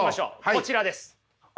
こちらです。